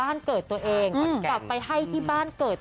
คุณพ่อคุณแม่ก็ได้มีโอกาสได้สอบถามคุณหมอ